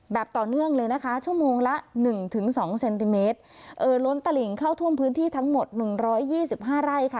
ต่อเนื่องเลยนะคะชั่วโมงละหนึ่งถึงสองเซนติเมตรเอ่อล้นตลิงเข้าท่วมพื้นที่ทั้งหมดหนึ่งร้อยยี่สิบห้าไร่ค่ะ